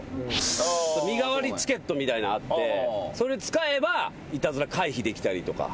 チケットみたいなんあってそれ使えばイタズラ回避できたりとか。